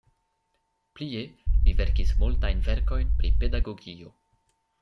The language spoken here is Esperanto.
Plie li verkis multajn verkojn pri pedagogio.